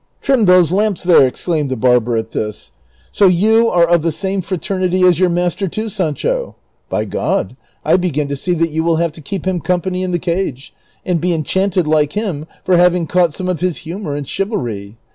" Trim those lamps there !"^ exclaimed the barber at this ;" so you are of the same fraternity as your master, too, Sancho ? By God, I begin to see that you will have to keep him com pany in the cage, and be enchanted like him for having caught some of his humor and chivalry.